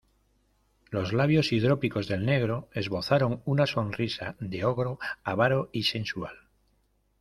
los labios hidrópicos del negro esbozaron una sonrisa de ogro avaro y sensual: